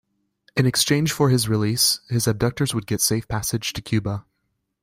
In exchange for his release, his abductors would get safe passage to Cuba.